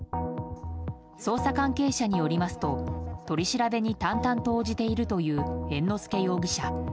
捜査関係者によりますと取り調べに淡々と応じているという猿之助容疑者。